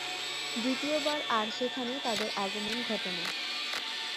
দ্বিতীয়বার আর সেখানে তাদের আগমন ঘটে না।